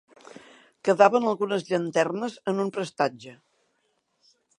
Quedaven algunes llanternes en un prestatge.